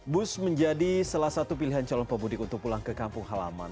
bus menjadi salah satu pilihan calon pemudik untuk pulang ke kampung halaman